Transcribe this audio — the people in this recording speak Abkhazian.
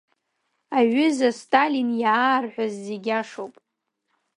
Аҩыза Сталин, иаарҳәаз зегь иашоуп!